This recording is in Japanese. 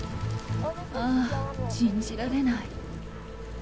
ああ、信じられない。